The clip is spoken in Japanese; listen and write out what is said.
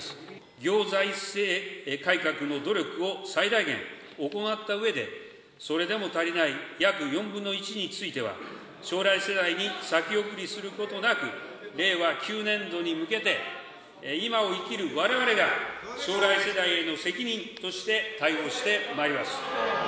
行財政改革の努力を最大限行ったうえで、それでも足りない約４分の１については、将来世代に先送りすることなく、令和９年度に向けて今を生きるわれわれが、将来世代への責任として対応してまいります。